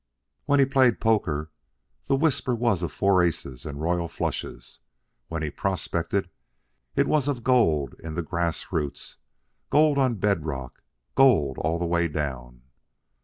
When he played poker, the whisper was of four aces and royal flushes. When he prospected, it was of gold in the grass roots, gold on bed rock, and gold all the way down.